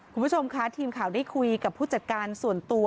คุณผู้ชมค่ะทีมข่าวได้คุยกับผู้จัดการส่วนตัว